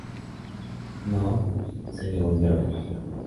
No se le volvió a ver.